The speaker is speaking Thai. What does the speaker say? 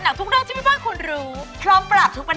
อ๋อมทุกครัวใจคุณสวัสดิ์ค่ะ